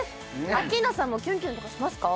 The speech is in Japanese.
アッキーナさんもキュンキュンとかしますか？